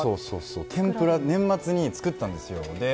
てんぷらを年末に作ったんですよ。